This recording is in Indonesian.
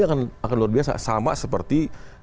akan luar biasa sama seperti